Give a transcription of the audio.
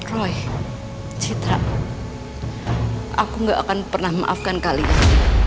roy citra aku nggak akan pernah memaafkan kalian